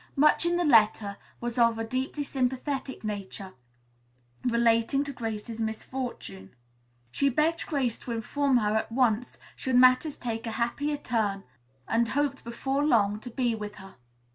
Much in the letter was of a deeply sympathetic nature, relating to Grace's misfortune. She begged Grace to inform her at once should matters take a happier turn and hoped before long to be with her.